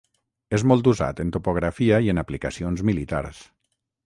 És molt usat en topografia i en aplicacions militars.